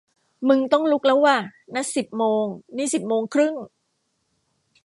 มึงต้องลุกแล้วว่ะ นัดสิบโมง นี่สิบโมงครึ่ง